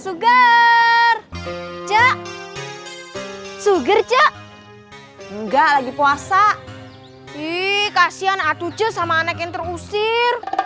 sugar sugar ca sugar enggak lagi puasa ih kasihan atuh sama anak yang terusir